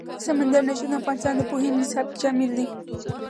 سمندر نه شتون د افغانستان د پوهنې نصاب کې شامل دي.